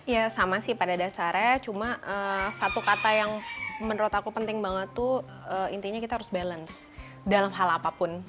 ya sama sih pada dasarnya cuma satu kata yang menurut aku penting banget tuh intinya kita harus balance dalam hal apapun